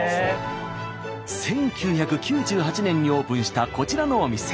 １９９８年にオープンしたこちらのお店。